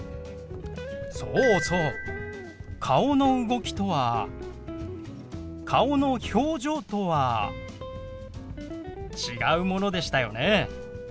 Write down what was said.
そうそう「顔の動き」とは「顔の表情」とは違うものでしたよね。